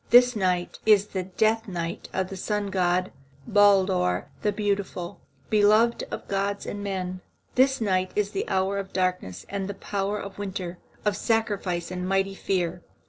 This night is the death night of the sun god, Baldur the Beautiful, beloved of gods and men. This night is the hour of darkness and the power of winter, of sacrifice and mighty fear.